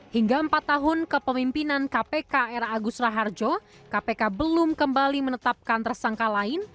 hingga empat tahun kepemimpinan kpk era agus raharjo kpk belum kembali menetapkan tersangka lain